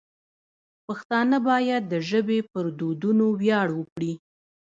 پښتانه باید د ژبې پر دودونو ویاړ وکړي.